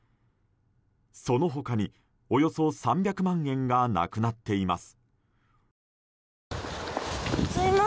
その他に、およそ３００万円がなくなっています。